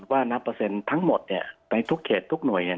ว่านับเปอร์เซ็นต์ทั้งหมดเนี่ยในทุกเขตทุกหน่วยเนี่ย